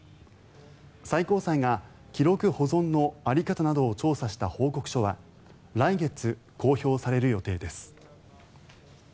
最高裁が記録保存の在り方などを調査した報告書は来月、公表される予定です。